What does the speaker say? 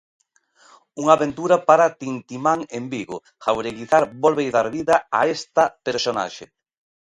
Unha aventura para Tintimán en Vigo, Jaureguizar vólvelle dar vida a esta personaxe.